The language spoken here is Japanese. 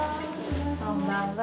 こんばんは。